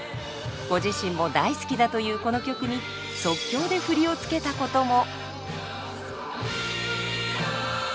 ご自身も大好きだというこの曲に即興で振りを付けたことも。